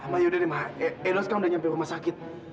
ma yaudah deh ma edo sekarang udah nyampe rumah sakit